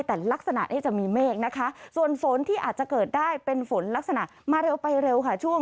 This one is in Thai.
แต่ลักษณะนี้จะมีเมฆนะคะส่วนฝนที่อาจจะเกิดได้เป็นฝนลักษณะมาเร็วไปเร็วค่ะช่วง